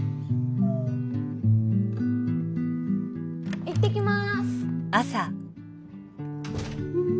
行ってきます！